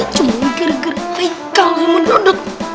cuma ger ger haikal sama dodot